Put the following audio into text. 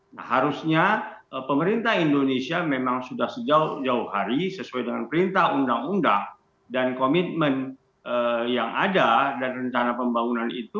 nah harusnya pemerintah indonesia memang sudah sejauh jauh hari sesuai dengan perintah undang undang dan komitmen yang ada dan rencana pembangunan itu